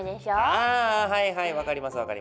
あはいはい分かります分かります。